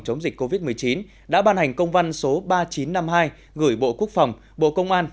chống dịch covid một mươi chín đã ban hành công văn số ba nghìn chín trăm năm mươi hai gửi bộ quốc phòng bộ công an